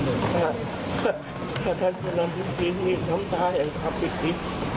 ถ้าถ้าถ้าท่านคุณคุณพุทธพิษมีน้ำตาแห่งพระพิทธิ